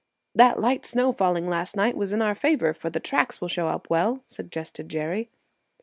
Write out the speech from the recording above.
"That light snow falling last night was in our favor, for the tracks will show up well," suggested Jerry.